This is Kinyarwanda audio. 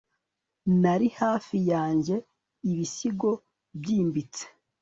nari hafi yanjye ibisigo byimbitse